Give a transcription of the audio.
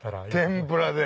天ぷらで！